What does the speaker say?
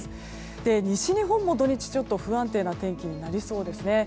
西日本も土日、不安定な天気になりそうですね。